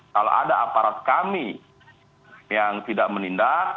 kalau ada aparat kami yang tidak menindak